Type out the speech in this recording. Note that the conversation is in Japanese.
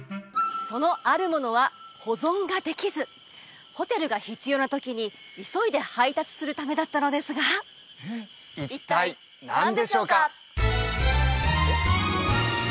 そのあるものは保存ができずホテルが必要な時に急いで配達するためだったのですが一体何でしょうか？